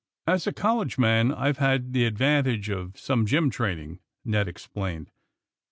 '' '^As a college man I've had the advantage of some gym. training," Ned explained.